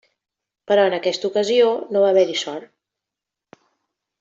Però en aquesta ocasió no va haver-hi sort.